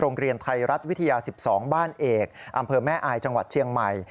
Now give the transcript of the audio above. โรงเรียนไทยรัฐวิทยา๑๒บ้านเอกอำเภอแม่อายจังหวัดเชียงใหม่